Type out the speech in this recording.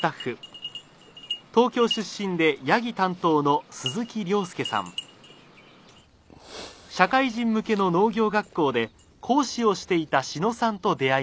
東京出身でヤギ担当の社会人向けの農業学校で講師をしていた志野さんと出会いました。